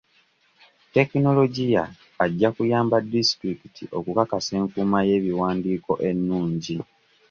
Tekinologiya ajja kuyamba disitulikiti okukakasa enkuuma y'ebiwandiiko ennungi.